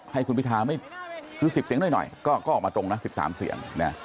ให้คุณพิทาไม่คือ๑๐เสียงหน่อยก็ออกมาตรงนะ๑๓เสียง